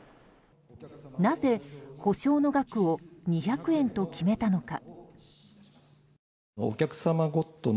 なぜ、補償の額を２００円と決めたのか。